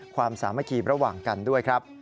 สามัคคีระหว่างกันด้วยครับ